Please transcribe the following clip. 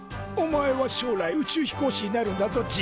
「お前は将来宇宙飛行士になるんだぞ。